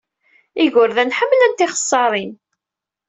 Igerdan ḥemmlen tixeṣṣarin.